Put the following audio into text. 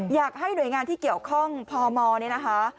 อยากให้หน่วยงานที่เกี่ยวข้องพมเนี่ยนะคะ